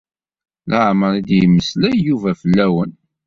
Leɛmeṛ i d-yemmeslay Yuba fell-awen.